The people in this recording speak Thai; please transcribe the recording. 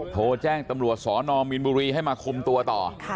โทรแจ้งตำรวจสนมีนบุรีให้มาคุมตัวต่อ